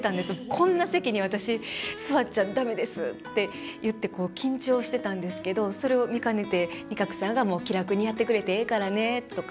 「こんな席に私座っちゃ駄目です」って言って緊張してたんですけどそれを見かねて仁鶴さんが「気楽にやってくれてええからね」とか。